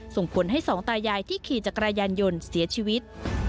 ส่งผลให้สองตายายที่ขี่จักรยานยนต์เสียชีวิต